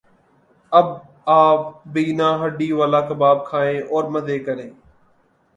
اب آپ بینا ہڈی والا کباب کھائیں اور مزے کریں